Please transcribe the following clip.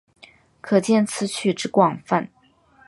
可见此曲之广泛。